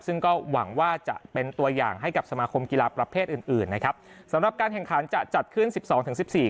ซึ่งก็หวังว่าจะเป็นตัวอย่างให้กับสมาคมกีฬาประเภทอื่นอื่นนะครับสำหรับการแข่งขันจะจัดขึ้นสิบสองถึงสิบสี่